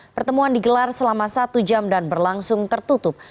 pertemuan digelar selama satu jam dan berlangsung tertutup